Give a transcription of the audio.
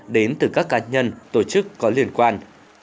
đến từ các cá nhân tổ chức có liên quan